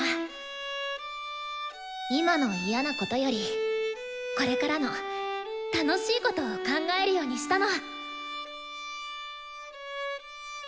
今の嫌なことよりこれからの楽しいことを考えるようにしたの！